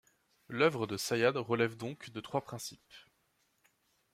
L'œuvre de Sayad relève donc de trois principes.